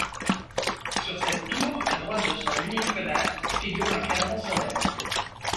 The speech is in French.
Sur cette tour, à droite de son unique fenêtre, figure un cadran solaire.